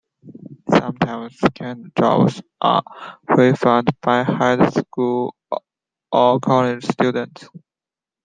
Sometimes, secondary jobs are performed by high school or college students.